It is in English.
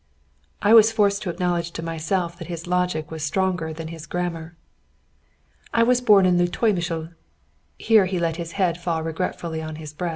I was forced to acknowledge to myself that his logic was stronger than his grammar. "I was born in Leutomischl" here he let his head fall regretfully on his breast.